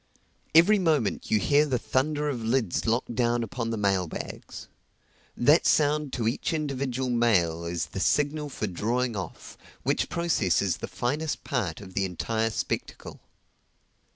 Every moment you hear the thunder of lids locked down upon the mail bags. That sound to each individual mail is the signal for drawing off, which process is the finest part of the entire spectacle.